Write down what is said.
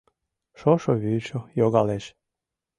Шошо вӱдшӧ йогалеш